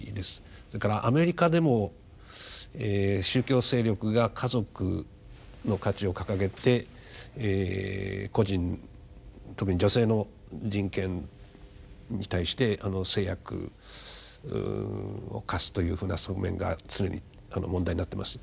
それからアメリカでも宗教勢力が家族の価値を掲げて個人特に女性の人権に対して制約を課すというふうな側面が常に問題になってます。